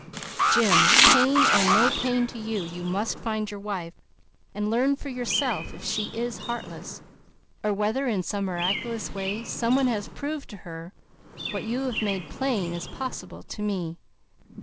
Jim, pain or no pain to you, you must find your wife and learn for yourself if she is heartless; or whether in some miraculous way some one has proved to her what you have made plain as possible to me.